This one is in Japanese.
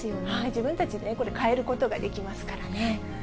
自分たちで変えることができますからね。